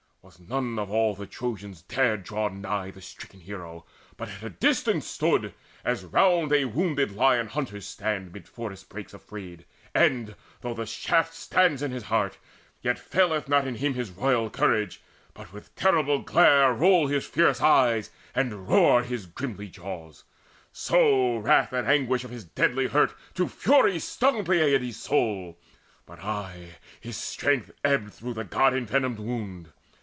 Was none of all the Trojans dared draw nigh The stricken hero, but at distance stood, As round a wounded lion hunters stand Mid forest brakes afraid, and, though the shaft Stands in his heart, yet faileth not in him His royal courage, but with terrible glare Roll his fierce eyes, and roar his grimly jaws; So wrath and anguish of his deadly hurt To fury stung Peleides' soul; but aye His strength ebbed through the god envenomed wound.